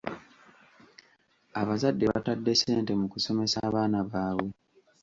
Abazadde batadde ssente mu kusomesa abaana baabwe.